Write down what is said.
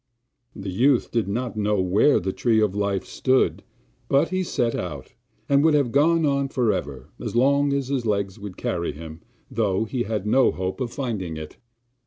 The youth did not know where the Tree of Life stood, but he set out, and would have gone on for ever, as long as his legs would carry him, though he had no hope of finding it.